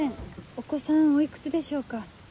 お子さんおいくつでしょうか？